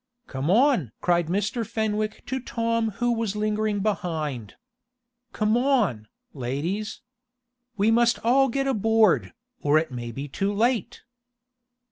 "Come on!" cried Mr. Fenwick to Tom who was lingering behind. "Come on, ladies. We must all get aboard, or it may be too late!"